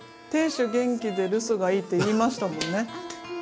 亭主元気で留守がいいって言いましたもんね。